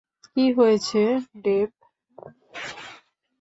কী হয়েছে, ডেভ?